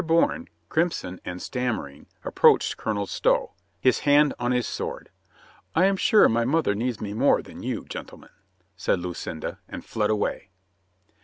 Bourne, crimson and stam mering, approached Colonel Stow, his hand on his sword. "I am sure my mother needs me more than you, gentlemen," said Lucinda and fled away.